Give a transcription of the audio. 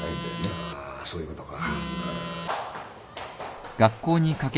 ああそういうことか。